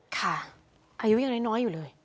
ค่ะอายุยังน้อยอยู่เลย